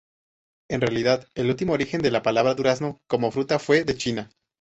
En realidad, el último origen de la palabra durazno como fruta fue de China.